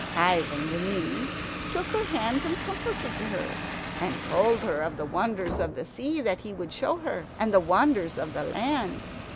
Ivan the Ninny took her hands and comforted her, and told her of the wonders of the sea that he would show her, and the wonders of the land.